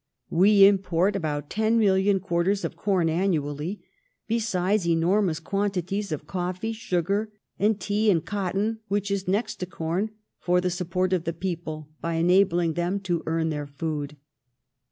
We import about ten million quarters of com annually, besides enormous quantities of coffee, sugar, and tea and cotton, which is next to com for the support of the people by enabling them to earn their food.